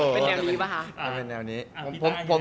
เป็นแนวนี้ป่ะคะ